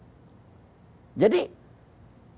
jadi polemik polemik apa lagi yang mau disampaikan